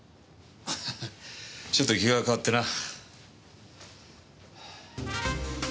ハハハちょっと気が変わってな。